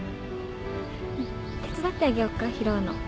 手伝ってあげよっか拾うの。